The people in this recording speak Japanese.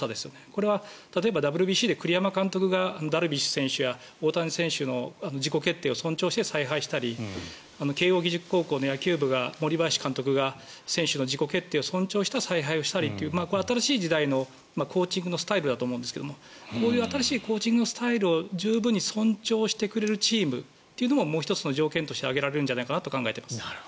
これは例えばＷＢＣで栗山監督がダルビッシュ選手や大谷選手の自己決定を尊重して采配したり慶應義塾高校の野球部が森林監督が選手の自己決定を尊重した采配をしたりというこれは新しい時代のコーチングのスタイルだと思うんですがこういう新しいコーチングのスタイルを十分尊重してくれるチームというのももう１つの条件として挙げられるかなと思っています。